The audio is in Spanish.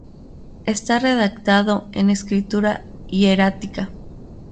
Está redactado en escritura hierática.